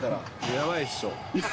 やばいっしょ。